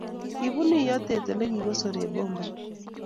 Kibunu iyeto Ole kikosor eng bombait